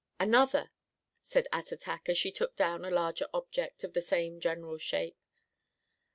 _" (another), said Attatak, as she took down a larger object of the same general shape.